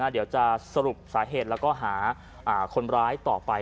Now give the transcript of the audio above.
เดี๋ยวจะสรุปสาเหตุแล้วก็หาคนร้ายต่อไป